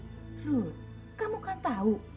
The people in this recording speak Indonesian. rod kamu kan tahu